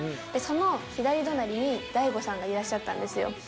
でその左隣に大悟さんがいらっしゃったんですよ。